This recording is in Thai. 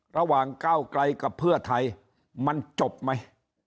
ระหว่างก้าวไกลกับเพื่อไทยมันจบไหม